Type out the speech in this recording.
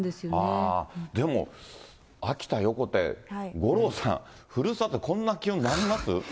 でも秋田・横手、五郎さん、ふるさと、こんな気温になります？